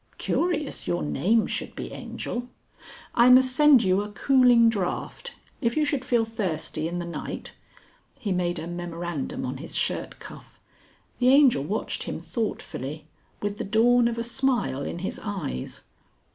Curious your name should be Angel. I must send you a cooling draught, if you should feel thirsty in the night...." He made a memorandum on his shirt cuff. The Angel watched him thoughtfully, with the dawn of a smile in his eyes.